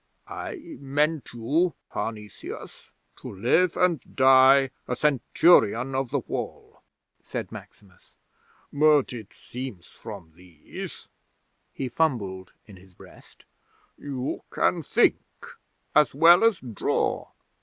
'"I meant you, Parnesius, to live and die a Centurion of the Wall," said Maximus. "But it seems from these," he fumbled in his breast "you can think as well as draw."